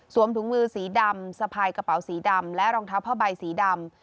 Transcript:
ถุงมือสีดำสะพายกระเป๋าสีดำและรองเท้าผ้าใบสีดำ